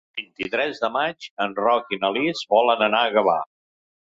El vint-i-tres de maig en Roc i na Lis volen anar a Gavà.